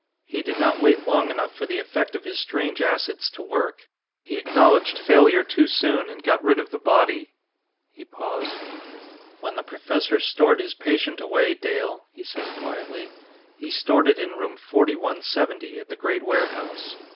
He did not wait long enough for the effect of his strange acids to work. He acknowledged failure too soon, and got rid of the body." He paused. "When the Professor stored his patient away, Dale," he said quietly, "he stored it in room 4170, at the great warehouse.